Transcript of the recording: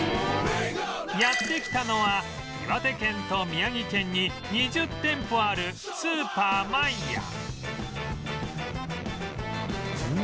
やって来たのは岩手県と宮城県に２０店舗あるスーパーマイヤ